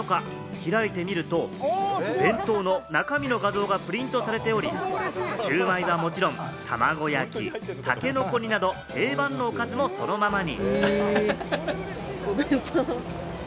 開いてみると、弁当の中身の画像がプリントされており、シウマイはもちろん、卵焼き、タケノコ煮など定番のおかずもそのままに。